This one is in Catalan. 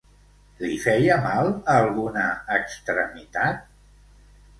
Li feia mal a alguna extremitat?